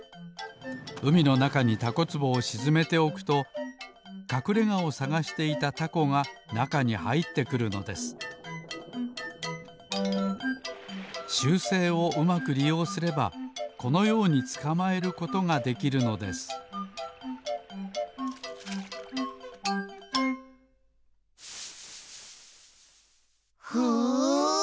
うみのなかにタコつぼをしずめておくとかくれがをさがしていたタコがなかにはいってくるのです習性をうまくりようすればこのようにつかまえることができるのですふん。